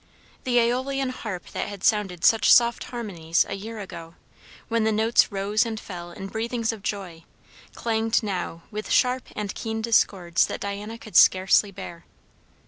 The AEolian harp that had sounded such soft harmonies a year ago, when the notes rose and fell in breathings of joy, clanged now with sharp and keen discords that Diana could scarcely bear.